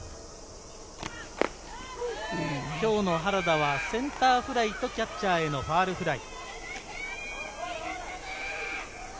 今日の原田はセンターフライとキャッチャーへのファウルフライ。